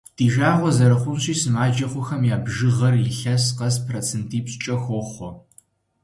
Ди жагъуэ зэрыхъунщи, сымаджэ хъухэм я бжыгъэр илъэс къэс процентипщӏкӏэ хохъуэ.